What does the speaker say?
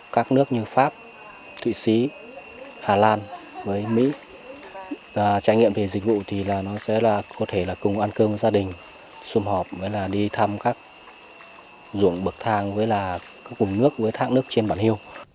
các nước như pháp thụy sĩ hà lan với mỹ trải nghiệm về dịch vụ thì nó sẽ là có thể là cùng ăn cơm với gia đình xung hợp với là đi thăm các ruộng bực thang với là cùng nước với thác nước trên bản hiêu